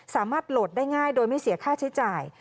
สามารถโหลดได้ง่ายโดยไม่เสียค่าใช้จ่าย